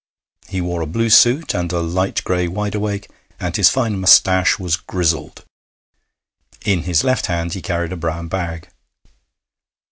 He wore a blue suit and a light gray wideawake, and his fine moustache was grizzled. In his left hand he carried a brown bag.